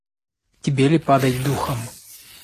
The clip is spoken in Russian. Тебе ли падать духом!